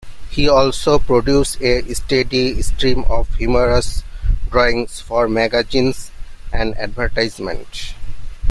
He also produced a steady stream of humorous drawings for magazines and advertisements.